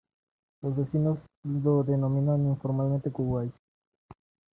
Los vecinos lo denominan informalmente Kuwait.